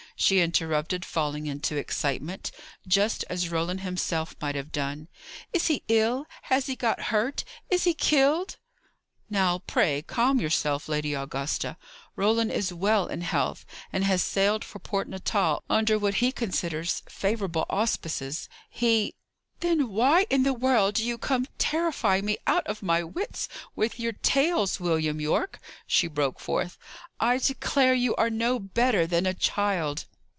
she interrupted, falling into excitement, just as Roland himself might have done. "Is he ill? Has he got hurt? Is he killed?" "Now, pray calm yourself, Lady Augusta. Roland is well in health, and has sailed for Port Natal, under what he considers favourable auspices. He " "Then why in the world do you come terrifying me out of my wits with your tales, William Yorke?" she broke forth. "I declare you are no better than a child!"